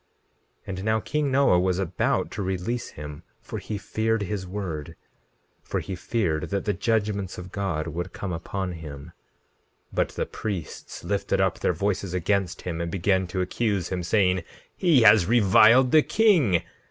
17:11 And now king Noah was about to release him, for he feared his word; for he feared that the judgments of God would come upon him. 17:12 But the priests lifted up their voices against him, and began to accuse him, saying: He has reviled the king.